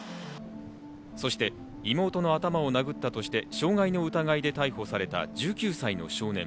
そして妹の頭を殴ったとして傷害の疑いで逮捕された１９歳の少年。